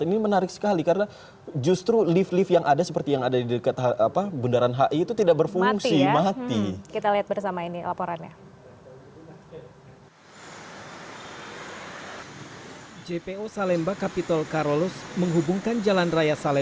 ini menarik sekali karena justru lift lift yang ada seperti yang ada di dekat bundaran hi itu tidak berfungsi mati